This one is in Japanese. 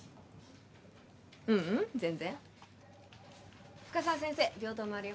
ううん全然深沢先生病棟回るよ